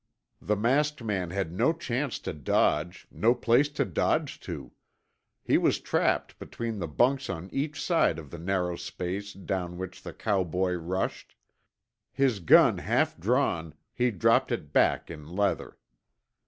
The masked man had no chance to dodge, no place to dodge to. He was trapped between the bunks on each side of the narrow space down which the cowboy rushed. His gun half drawn, he dropped it back in leather.